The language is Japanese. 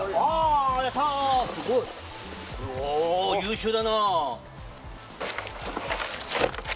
優秀だな。